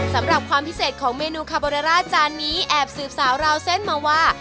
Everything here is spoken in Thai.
สำหรับความพิเศษของเมนูคาโบเรร่าจานนี้แอบสืบสาวราวเส้นมาว่า